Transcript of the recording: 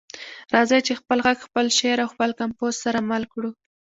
راځئ چې خپل غږ، خپل شعر او خپل کمپوز سره مل کړو.